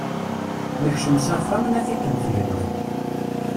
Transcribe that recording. Nekcem s axxam, naf-ikem tegneḍ.